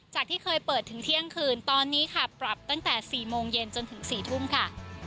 ที่เคยเปิดถึงเที่ยงคืนตอนนี้ค่ะปรับตั้งแต่๔โมงเย็นจนถึง๔ทุ่มค่ะ